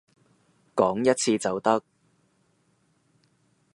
講一次就得